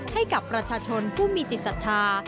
ให้กับประชาชนผู้มีจิตศรัทธา